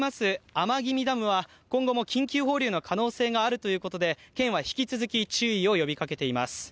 天君ダムは今後も緊急放流の危険があるということで県は引き続き注意を呼びかけています。